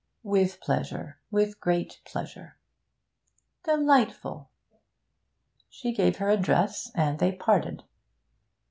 'With pleasure with great pleasure.' 'Delightful!' She gave her address, and they parted.